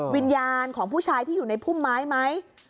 วิญญาณของผู้ชายที่อยู่ในพุ่มไม้ไหม